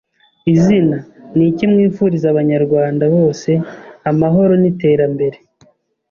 Izina) Ni iki mwifuriza Abanyarwanda bose? Amahoro n’iterambere